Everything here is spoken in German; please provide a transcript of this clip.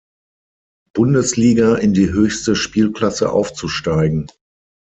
Bundesliga in die höchste Spielklasse aufzusteigen.